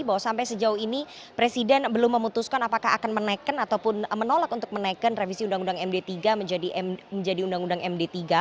bahwa sampai sejauh ini presiden belum memutuskan apakah akan menaikkan ataupun menolak untuk menaikkan revisi undang undang md tiga menjadi undang undang md tiga